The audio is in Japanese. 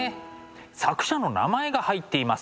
作者の名前が入っています。